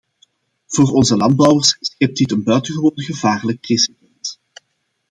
Voor onze landbouwers schept dit een buitengewoon gevaarlijk precedent.